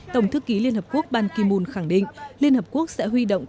tổng thư ký liên hợp quốc ban ki moon khẳng định liên hợp quốc sẽ huy động